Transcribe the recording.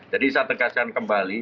jadi bisa tegaskan kembali